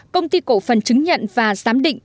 công ty cổ phần chứng nhận và giám định